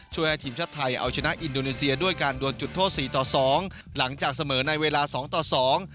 ให้ทีมชาติไทยเอาชนะอินโดนีเซียด้วยการดวนจุดโทษสี่ต่อสองหลังจากเสมอในเวลาสองต่อสอง